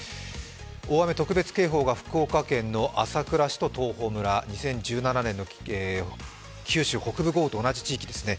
大雨特別警報が福岡県の朝倉市と東峰村２０１７年の九州北部豪雨と同じ地域ですね。